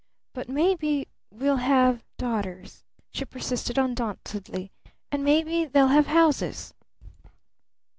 "But maybe we'll have daughters," she persisted undauntedly. "And maybe they'll have houses!"